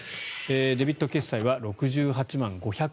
デビット決済は６８万５２６円。